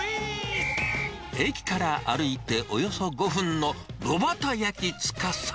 駅から歩いておよそ５分のろばた焼司。